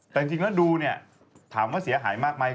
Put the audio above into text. แต่จริงแล้วดูเนี่ยอากาศถามว่าเสียหายมากมั้ย